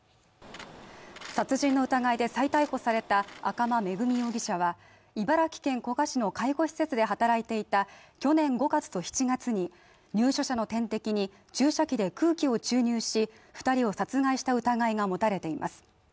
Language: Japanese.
殺人の疑いで再逮捕された赤間恵美容疑者は、茨城県古河市の介護施設で働いていた去年５月と７月に入所者の点滴に注射器で空気を注入し、２人を殺害した疑いが持たれています。